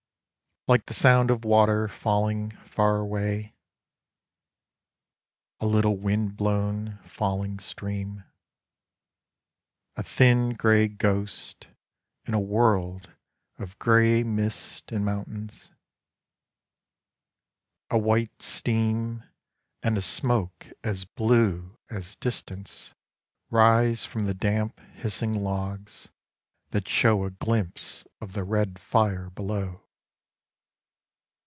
... Like the sound of water falling far away, A little wind blown falling stream, A thin grey ghost in a world of grey Mist and mountains. A white steam And a smoke as blue as distance rise From the damp hissing logs that show A glimpse of the red fire below.